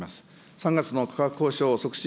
３月の価格交渉促進